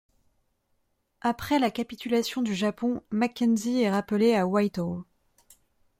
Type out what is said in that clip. Après la capitulation du Japon, Mackenzie est rappelé à Whitehall.